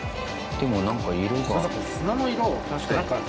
でもなんか色が。